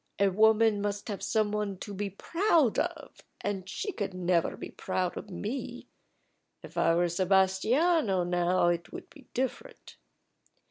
"A woman must have some one to be proud of, and she could never be proud of me. If I were Sebastiano now, it would be different."